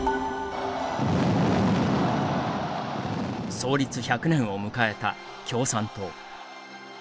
創立１００年を迎えた共産党。